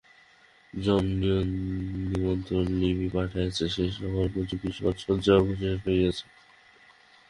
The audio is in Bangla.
যম নিমন্ত্রণলিপি পাঠাইয়াছে, সে সভার উপযোগী সাজসজ্জাও শেষ হইয়াছে।